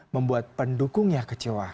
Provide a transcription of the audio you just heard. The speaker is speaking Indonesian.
membuat pendukungnya kecewa